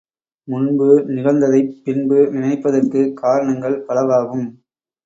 முன்பு நிகழ்ந்ததைப் பின்பு நினைப்பதற்கு காரணங்கள் பலவாகும்.